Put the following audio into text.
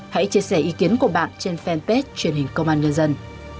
hãy chia sẻ ý kiến của bạn trên fanpage truyền hình công an nhân dân